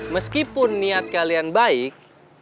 meskipun niat kalian baik